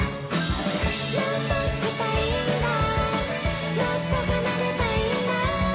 「もっと弾きたいんだもっと奏でたいんだ」